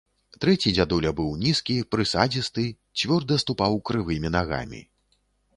Трэці дзядуля быў нізкі, прысадзісты, цвёрда ступаў крывымі нагамі.